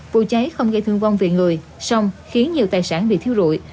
vụ cháy không gây thương vong vì người xong khiến nhiều tài sản bị thiếu rụi